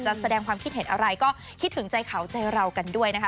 แสดงความคิดเห็นอะไรก็คิดถึงใจเขาใจเรากันด้วยนะคะ